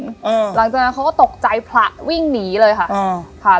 หลังจากนั้นเขาก็ตกใจผละวิ่งหนีเลยค่ะอ่าค่ะ